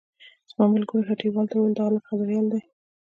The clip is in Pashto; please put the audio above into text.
زما ملګرو هټيوالو ته وويل دا هلک خبريال دی.